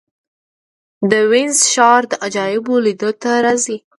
د وینز ښار د عجایبو لیدو ته راځي.